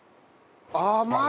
甘い！